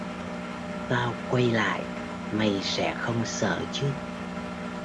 Tao quay lại mày sẽ không sợ chứ